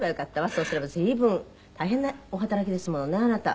そうすれば随分大変なお働きですものねあなた。